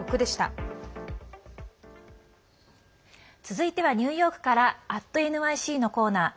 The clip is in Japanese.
続いてはニューヨークから「＠ｎｙｃ」のコーナー。